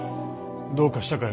どうかしたかい？